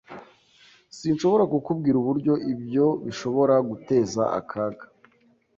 Sinshobora kukubwira uburyo ibyo bishobora guteza akaga.